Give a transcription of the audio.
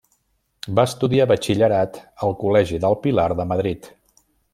Va estudiar batxillerat al col·legi del Pilar de Madrid.